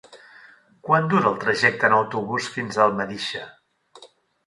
Quant dura el trajecte en autobús fins a Almedíxer?